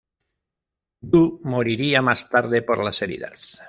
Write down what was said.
Go moriría más tarde por las heridas.